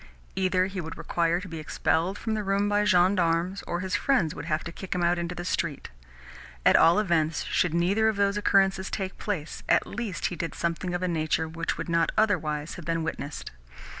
Either he would require to be expelled from the room by gendarmes, or his friends would have to kick him out into the street. At all events, should neither of those occurrences take place, at least he did something of a nature which would not otherwise have been witnessed.